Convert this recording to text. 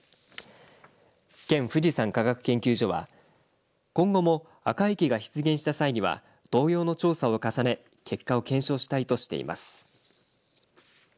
県富士山科学研究所は今後も赤池が出現した際には同様の調査を重ね結果を検証したいとしています。